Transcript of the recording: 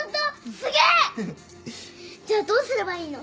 すげえ！じゃどうすればいいの？